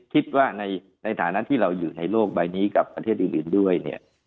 คิดว่าในฐานะที่เราอยู่ในโลกใบนี้กับประเทศอื่นด้วยเนี่ย